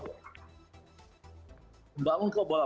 membangun klub bola